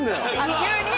急に？